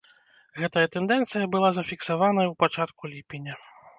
Гэтая тэндэнцыя была зафіксаваная ў пачатку ліпеня.